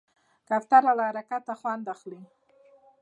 کوتره له حرکته خوند اخلي.